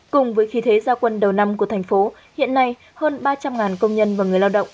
cùng với khí thế gia quân đầu năm của thành phố hiện nay hơn ba trăm linh công nhân và người lao động